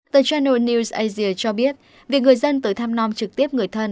tờ chano news asia cho biết việc người dân tới thăm non trực tiếp người thân